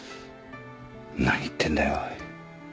何言ってんだよおい。